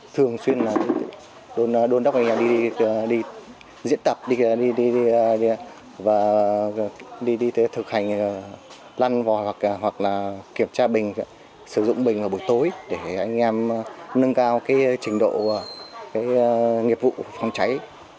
thường xuyên đôn đốc anh em đi diễn tập đi thực hành lăn vòi hoặc kiểm tra bình sử dụng bình vào buổi tối để anh em nâng cao trình độ nghiệp vụ phòng cháy